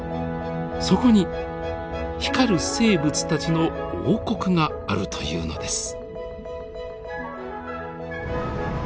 そこに光る生物たちの王国があるというのです。